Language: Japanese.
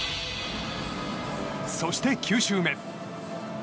そして９周目。